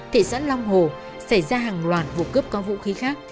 thị xã long hồ xảy ra hàng loạt vụ cướp có vũ khí khác